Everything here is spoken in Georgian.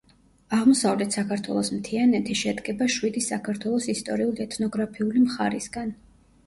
აღმოსავლეთ საქართველოს მთიანეთი შედგება შვიდი საქართველოს ისტორიულ-ეთნოგრაფიული მხარისგან.